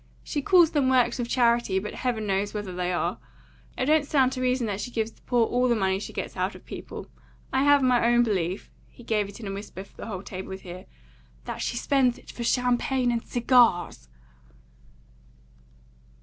She calls them works of charity; but heaven knows whether they are. It don't stand to reason that she gives the poor ALL the money she gets out of people. I have my own belief" he gave it in a whisper for the whole table to hear "that she spends it for champagne and cigars."